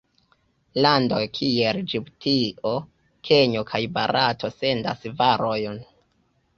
Landoj kiel Ĝibutio, Kenjo kaj Barato sendas varojn.